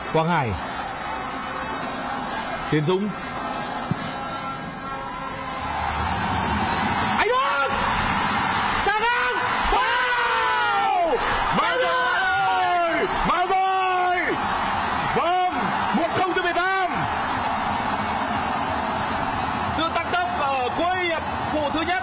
quang hải tiến dũng anh đức sàng anh vâng một tuyển việt nam sự tăng tốc ở cuối vụ thứ nhất